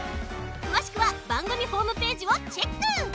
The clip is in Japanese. くわしくはばんぐみホームページをチェック！